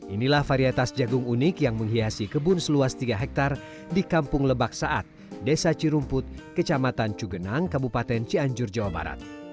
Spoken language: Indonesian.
inilah varietas jagung unik yang menghiasi kebun seluas tiga hektare di kampung lebak saat desa cirumput kecamatan cugenang kabupaten cianjur jawa barat